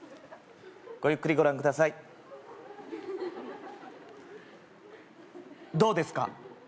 ごゆっくりご覧くださいどうですか？